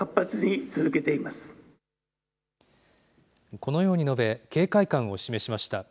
このように述べ、警戒感を示しました。